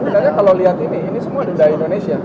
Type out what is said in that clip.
sebenarnya kalau lihat ini ini semua dari indonesia